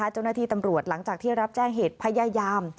เจ้าหน้าที่ตำรวจหลังจากที่รับแจ้งเหตุพยายาม